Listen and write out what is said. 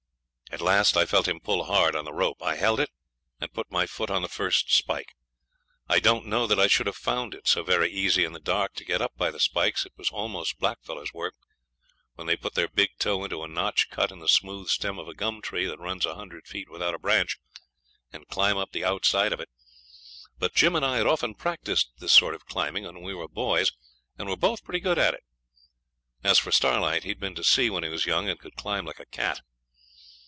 At last I felt him pull hard on the rope. I held it, and put my foot on the first spike. I don't know that I should have found it so very easy in the dark to get up by the spikes it was almost blackfellows' work, when they put their big toe into a notch cut in the smooth stem of a gum tree that runs a hundred feet without a branch, and climb up the outside of it but Jim and I had often practised this sort of climbing when we were boys, and were both pretty good at it. As for Starlight, he had been to sea when he was young, and could climb like a cat.